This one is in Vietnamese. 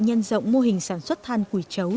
nhân rộng mô hình sản xuất than củi chấu